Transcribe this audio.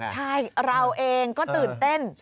ใช่เราเองก็ตื่นเต้น